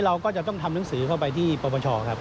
เราก็จะต้องทำหนังสือเข้าไปที่ปปชครับ